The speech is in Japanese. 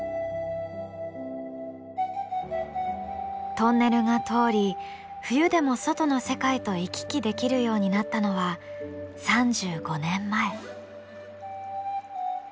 トンネルが通り冬でも外の世界と行き来できるようになったのは３５年前。